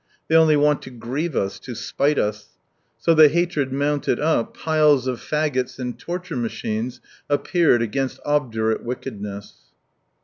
They only want to grieve us, to spite us." So the hatred mounted up, piles of faggots and torture machines appeared against obdurate wickedness.